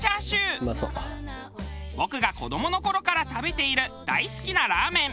僕が子どもの頃から食べている大好きなラーメン。